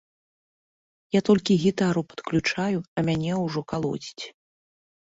Я толькі гітару падключаю, а мяне ўжо калоціць.